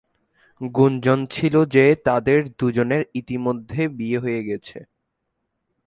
গুঞ্জন ছিল যে তাদের দুজনের ইতিমধ্যে বিয়ে হয়ে গেছে।